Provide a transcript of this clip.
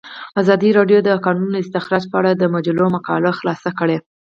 ازادي راډیو د د کانونو استخراج په اړه د مجلو مقالو خلاصه کړې.